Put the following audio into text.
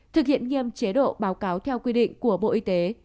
thực hiện nghiêm chế độ báo cáo theo quy định của bộ y tế